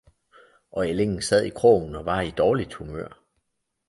Og ællingen sad i krogen og var i dårligt humør.